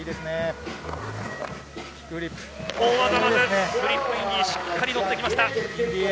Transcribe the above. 大技、フリップインディ、しっかり乗ってきました。